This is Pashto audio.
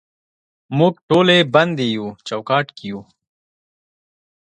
موږ ټولې بندې یو چوکاټ کې یو